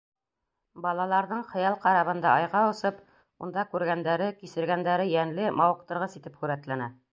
Балаларҙың, хыял карабында Айға осоп, унда күргәндәре, кисергәндәре йәнле, мауыҡтырғыс итеп һүрәтләнә.